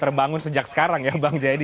terbangun sejak sekarang ya bang jaya d